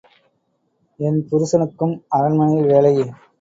என் புருஷனுக்கும் அரண்மனையில் வேலை.